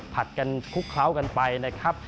ผัดกันคลุกเคล้ากันไปนะครับ